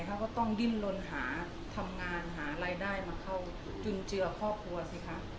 เขาก็ต้องดิ้นลนหาทำงานหารายได้มาเข้าจุนเจือครอบครัวสิคะ